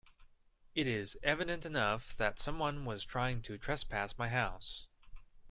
It is evident enough that someone was trying to trespass my house.